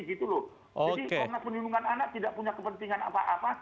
jadi komnas penindungan anak tidak punya kepentingan apa apa